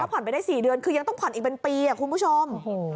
ผ่อนไปได้๔เดือนคือยังต้องผ่อนอีกเป็นปีคุณผู้ชม